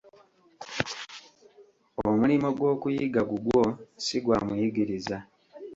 Omulimo gw'okuyiga gugwo ssi gwa muyigiriza.